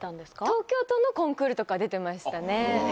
東京都のコンクールとかは出てましたね。